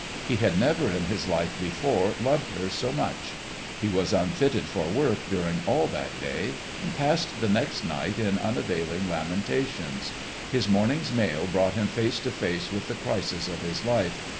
He had never in his life before loved her so much. He was unfitted for work during all that day and passed the next night in unavailing lamentations. His morning's mail brought him face to face with the crisis of his life.